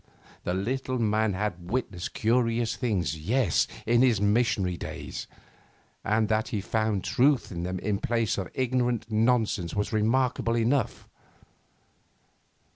The little man had witnessed curious things, yes, in his missionary days, and that he had found truth in them in place of ignorant nonsense was remarkable enough.